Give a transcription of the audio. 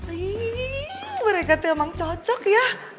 wih mereka tuh emang cocok ya